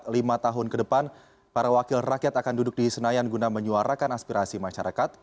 lima tahun ke depan para wakil rakyat akan duduk di senayan guna menyuarakan aspirasi masyarakat